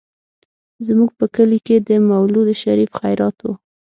زموږ په کلي کې د مولود شريف خيرات و.